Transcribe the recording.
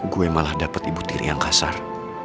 gue malah dapat ibu tiri yang kasar